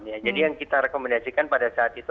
ya jadi yang kita rekomendasikan pada saat itu